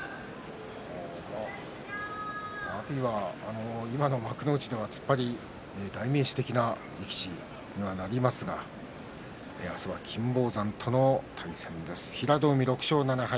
阿炎は今の幕内では突っ張り、代名詞的な力士になりますが明日は金峰山との対戦です。